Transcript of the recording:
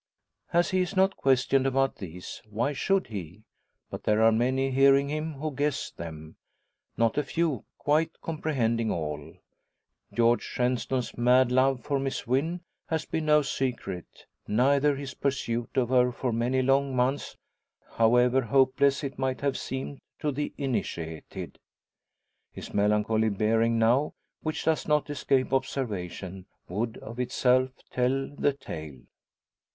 As he is not questioned about these, why should he? But there are many hearing him who guess them not a few quite comprehending all. George Shenstone's mad love for Miss Wynn has been no secret, neither his pursuit of her for many long months, however hopeless it might have seemed to the initiated. His melancholy bearing now, which does not escape observation, would of itself tell the tale.